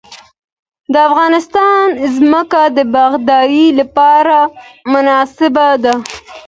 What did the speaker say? د افغانستان ځمکه د باغدارۍ لپاره مناسبه ده